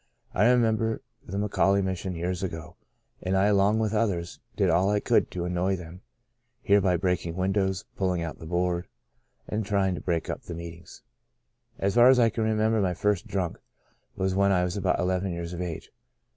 I remember the McAuley Mission years ago, and I along with others did all I could to annoy them here by break ing windows, pulling out the board, and try ing to break up the meetings. As far as I can remember, my first * drunk ' was when I was about eleven years of age.